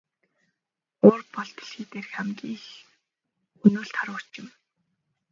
Уур бол энэ дэлхий дээрх хамгийн их хөнөөлт хар хүч юм.